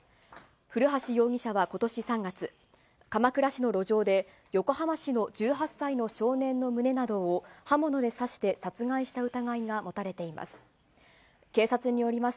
古橋容疑者はことし３月、鎌倉市の路上で、横浜市の１８歳の少年の胸などを刃物で刺して殺害した疑いが持たれています。